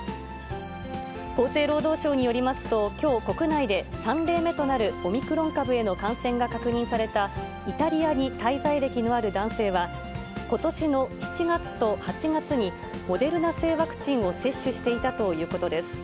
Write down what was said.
厚生労働省によりますと、きょう国内で３例目となるオミクロン株への感染が確認された、イタリアに滞在歴のある男性は、ことしの７月と８月に、モデルナ製ワクチンを接種していたということです。